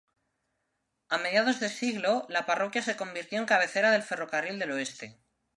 A mediados de siglo, la parroquia se convirtió en cabecera del ferrocarril del oeste.